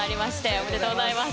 おめでとうございます。